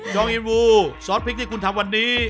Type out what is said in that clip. องอินวูซอสพริกที่คุณทำวันนี้